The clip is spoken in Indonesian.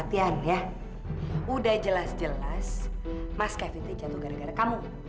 kondisi tuan kevin maksudnya apa